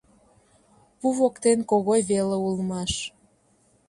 Пу воктен Когой веле улмаш.